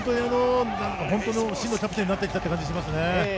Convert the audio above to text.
本当に、真のキャプテンになってきたという感じがしますね。